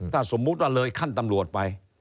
ถ้าสมมุติว่าเลยขั้นตำรวจไป